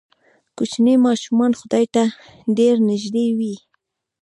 کوچني ماشومان خدای ته ډېر نږدې وي.